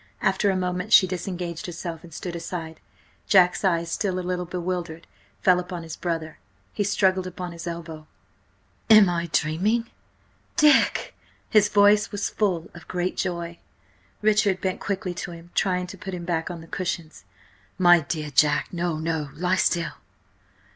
After a moment she disengaged herself and stood aside. Jack's eyes, still a little bewildered, fell upon his brother. He struggled up on his elbow. "Am I dreaming? Dick!" His voice was full of a great joy. Richard went quickly to him, trying to put him back on the cushions. "My dear Jack–no, no–lie still!"